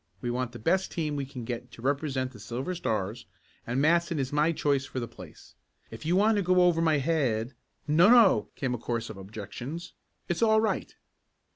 We want the best team we can get to represent the Silver Stars and Matson is my choice for the place. If you want to go over my head " "No! No!" came a chorus of objections. "It's all right!"